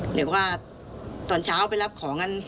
เรียกว่าตอนเช้าไปรับของกัน